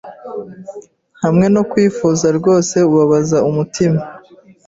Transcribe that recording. hamwe no kwifuza rwose kubabaza umutima?